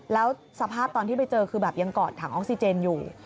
แล้วสภาพตอนที่ไปเจอคือแบบยังกอดถังออกซิเจนอยู่